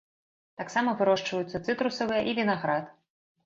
Таксама вырошчваюцца цытрусавыя і вінаград.